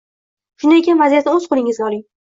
Shunday ekan vaziyatni o‘z qo‘lingizga oling